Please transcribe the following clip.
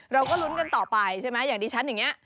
เราก็ลุ้นกันต่อไปใช่ไหมอย่างดิฉันอย่างนี้